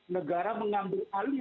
negara mengambil alih